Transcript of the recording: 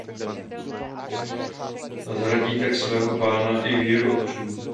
Zradí tak svého pána i víru otců.